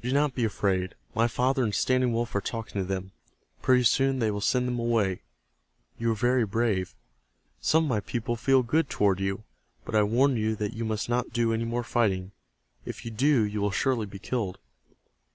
Do not be afraid. My father and Standing Wolf are talking to them. Pretty soon they will send them away. You were very brave. Some of my people feel good toward you. But I warn you that you must not do any more fighting. If you do you will surely be killed."